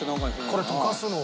これ溶かすの？